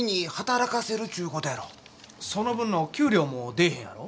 その分の給料も出えへんやろ？